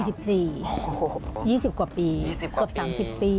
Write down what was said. ๒๐กว่าปีเกือบ๓๐ปี